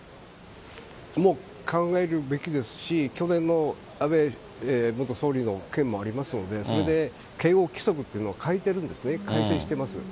もう考えるべきですし、去年の安倍元総理の件もありますので、それで警護規則っていうのを変えてるんですね、改正してます。